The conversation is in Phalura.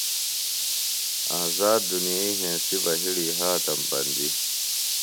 آذاد دنیئی ہنسی بِہ ہڑِی ہاتم بندی۔